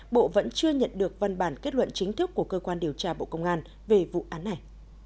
bộ vẫn chưa nhận được văn bản kết luận chính thức của cơ quan điều tra bộ công an về vụ án này